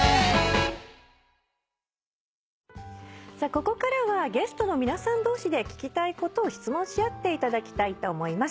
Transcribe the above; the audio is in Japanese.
ここからはゲストの皆さん同士で聞きたいことを質問し合っていただきたいと思います。